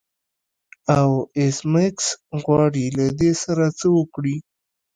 او ایس میکس غواړي له دې سره څه وکړي